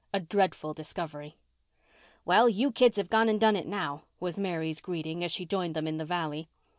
A DREADFUL DISCOVERY "Well, you kids have gone and done it now," was Mary's greeting, as she joined them in the Valley.